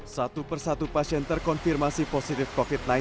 satu persatu pasien terkonfirmasi positif covid sembilan belas